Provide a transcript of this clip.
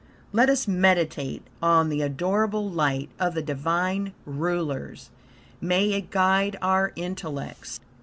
"Let us meditate on the adorable light of the Divine Rulers. May it guide our intellects."